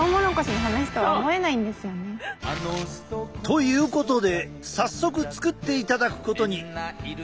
ということで早速作っていただくことに。